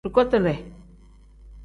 Dugotire.